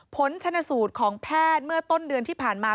ผลชนสูตรของแพทย์เมื่อต้นเดือนที่ผ่านมา